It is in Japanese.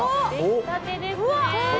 出来たてですね。